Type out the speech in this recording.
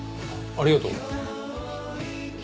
ありがとう。